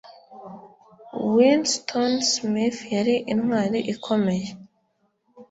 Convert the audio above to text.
Winston Smith yar’intwari ikomeye